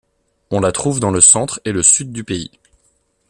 On la trouve dans le centre et le sud du pays.